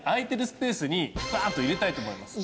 スペースにバーッと入れたいと思います。